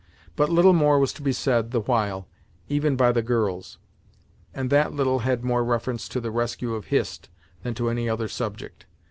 But little more was said the while even by the girls; and that little had more reference to the rescue of Hist than to any other subject.